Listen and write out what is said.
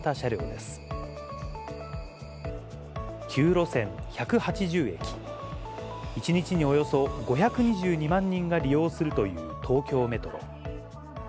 路線１８０駅、１日におよそ５２２万人が利用するという東京メトロ。